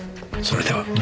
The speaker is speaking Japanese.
それでは。